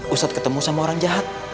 ustadz ketemu sama orang jahat